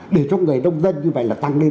để cho người nông dân như vậy là tăng lên